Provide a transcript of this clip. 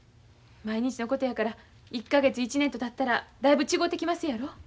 毎日のことやから１か月１年とたったらだいぶ違うてきますやろ。